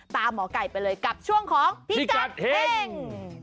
หมอไก่ไปเลยกับช่วงของพิกัดเฮ่ง